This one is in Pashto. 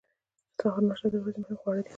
د سهار ناشته د ورځې مهم خواړه دي.